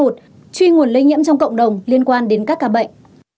truy nguồn lây nhiễm trong cộng đồng liên quan đến các ca bệnh